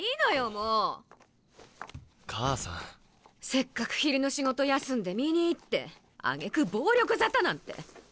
せっかく昼の仕事休んで見に行ってあげく暴力沙汰なんて！